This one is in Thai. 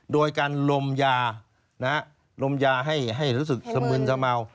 โดยการลมยาลมยาให้รู้สึกสมึนสะเมา